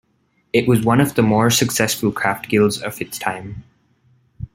It was one of the more successful craft guilds of its time.